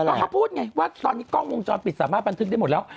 ก็เขาพูดไงว่าตอนนี้กล้องวงจรปิดสามารถบันทึกได้หมดแล้ว